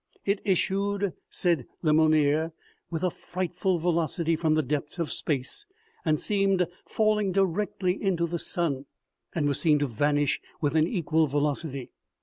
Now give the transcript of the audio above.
" It issued," said L,emonnier, " with a frightful velocity from the depths of space and seemed falling directly into the sun and was seen to vanish with an equal velocity.